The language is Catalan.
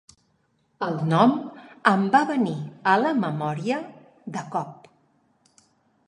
El nom em va venir a la memòria de cop.